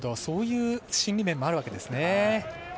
そういう心理面もあるわけですね。